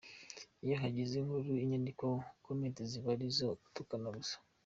Iyo hagize inkuru inyandikwaho comments ziba ari izo gutukana gusa.